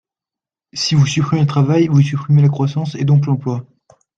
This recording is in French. Si vous supprimez le travail, vous supprimez la croissance, et donc l’emploi.